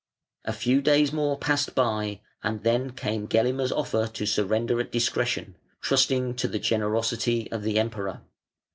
A few days more passed by, and then came Gelimer's offer to surrender at discretion, trusting to the generosity of the Emperor.